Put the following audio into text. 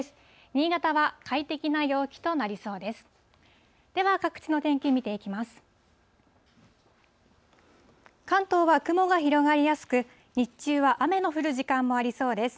新潟は快適な陽気となりそうです。